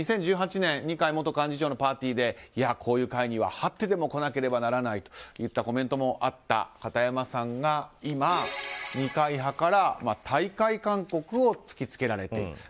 ２０１８年、二階元幹事長のパーティーで、こういう会にははってでも来なければならないというコメントもあった片山さんが今、二階派から退会勧告を突きつけられている。